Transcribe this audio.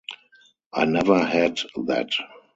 I never had that.